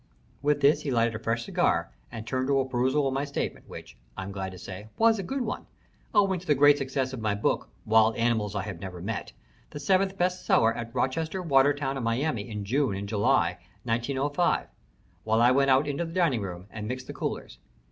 With this he lighted a fresh cigar and turned to a perusal of my statement, which, I am glad to say, was a good one, owing to the great success of my book, Wild Animals I Have Never Met the seventh best seller at Rochester, Watertown, and Miami in June and July, 1905 while I went out into the dining room and mixed the coolers.